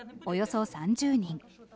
およそ３０人。